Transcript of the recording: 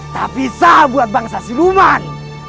tapi sah buat bangsa siluman